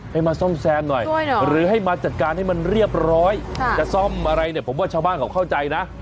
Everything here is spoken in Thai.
ให้มาซ่อมแซมหน่อยหรือให้มาจัดการให้มันเรียบร้อยจะซ่อมอะไรเนี่ยผมว่าชาวบ้านเขาเข้าใจนะ